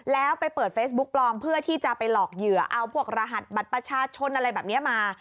แล้วไปเปิดเฟซบุ๊กปลอมเพื่อที่จะไปหลอกเหยื่อเอาพวกรหัสบัตรประชาชนอะไรแบบนี้มา